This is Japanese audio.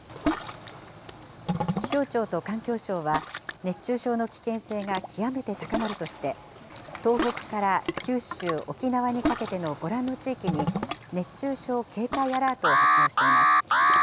気象庁と環境省は、熱中症の危険性が極めて高まるとして、東北から九州、沖縄にかけてのご覧の地域に熱中症警戒アラートを発表しています。